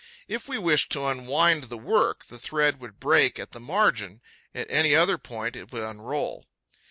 If we wished to unwind the work, the thread would break at the margin; at any other point, it would unroll.